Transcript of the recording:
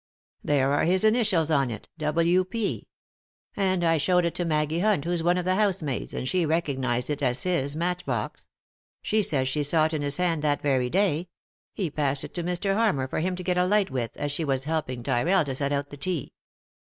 " There are his initials on it — W. P. And I showed it to Maggie Hunt, who's one of the housemaids, and she recognised it as his matchbox. She says she saw it in his hand that very day — he passed it to 108 ;«y?e.c.V GOOglC THE INTERRUPTED KISS Mr. Harmar for him to get a light with as she was helping Tyrrell to set out the tea."